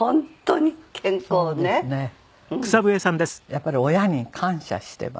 やっぱり親に感謝しています。